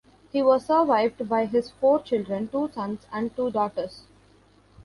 He was survived by his four children: two sons and two daughters.